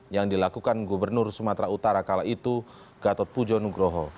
yang dilakukan gubernur sumatera utara kala itu gatot pujo nugroho